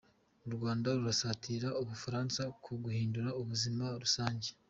U Rwanda rurasatira u Bufaransa ku guhindura ubuzima rusange.